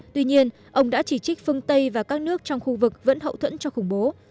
tuy nhiên ông đã chỉ trích phương tây và các nước trong khu vực vẫn hậu thuẫn cho khủng bố